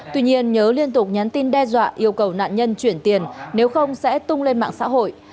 tuy nhiên nhớ liên tục nhắn tin đe dọa yêu cầu nạn nhân chuyển tiền nếu không sẽ tung lên mạng xã hội